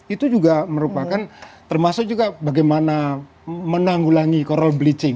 itu juga merupakan termasuk juga bagaimana menanggulangi coral bleaching